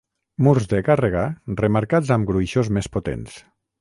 Murs de càrrega remarcats amb gruixos més potents.